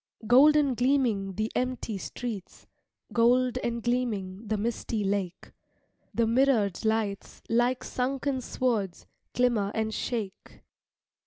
Gold and gleaming the empty streets, Gold and gleaming the misty lake, The mirrored lights like sunken swords, Glimmer and shake.